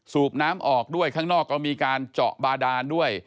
สูบน้ำออกด้วยข้างนอกก็มีการเจาะบาดานด้วย